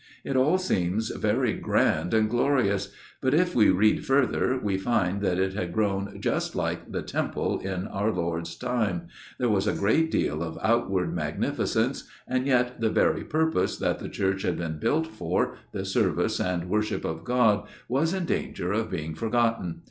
It all seems very grand and glorious; but if we read further, we find that it had grown just like the Temple in our Lord's time: there was a great deal of outward magnificence, and yet the very purpose that the church had been built for the Service and Worship of God, was in danger of being forgotten.